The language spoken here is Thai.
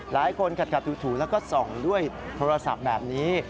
หลายคนขัดถูแล้วก็ส่องด้วยโทรศัพท์แบบนี้